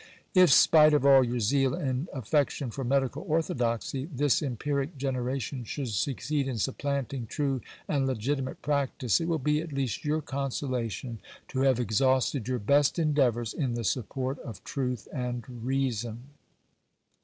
If, spite of all your zeal and affection for medical orthodoxy, this empiric generation should succeed in supplanting true and legitimate prac tice, it will be at least your consolation to have exhausted your best endeavours in the support of truth and reason.